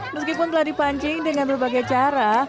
meskipun telah dipancing dengan berbagai cara